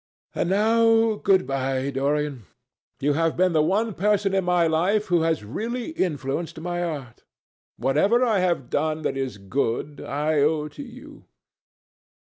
And now good bye, Dorian. You have been the one person in my life who has really influenced my art. Whatever I have done that is good, I owe to you.